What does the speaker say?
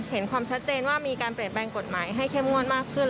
เห็นความชัดเจนว่ามีการเปลี่ยนแปลงกฎหมายให้เข้มงวดมากขึ้น